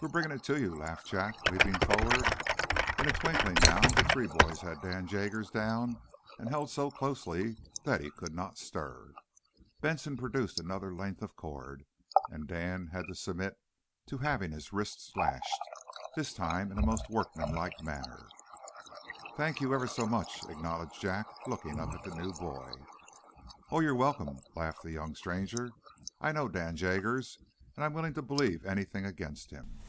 "We're bringing it to you," laughed Jack, leaping forward. In a twinkling, now, the three boys had Dan Jaggers down, and held so closely that he could not stir. Benson produced another length of cord, and Dan had to submit to having his wrists lashed, this time in most workmanlike manner. "Thank you, ever so much," acknowledged Jack, looking up at the new boy. "Oh, you're welcome," laughed the young stranger. "I know Dan Jaggers, and I'm willing to believe anything against him."